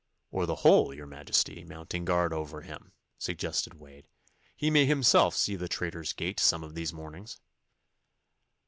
'Or the whole, your Majesty, mounting guard over him,' suggested Wade. 'He may himself see the Traitor's Gate some of these mornings.